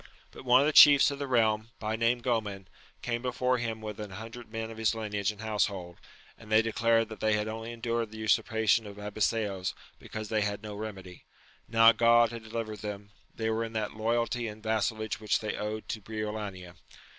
But one of the chiefs of the realm, by name Groman, came before him with an hundred men of his lineage and household, and they declared that they had only endured the usurpation of Abiseos because they had no remedy : now God had delivered them, they were in that loyalty and vassallage which they owed to Briolania.